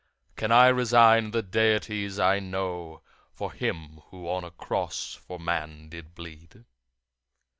Can I resign the deities I know For him who on a cross for man did bleed?